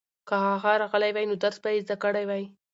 که هغه راغلی وای نو درس به یې زده کړی وای.